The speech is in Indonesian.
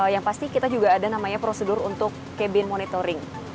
yang pasti kita juga ada namanya prosedur untuk cabin monitoring